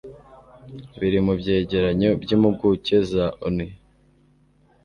biri mu byegeranyo by'impuguke za ONU.